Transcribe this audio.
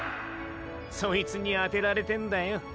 そいつにアテられてんだよ。